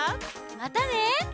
またね！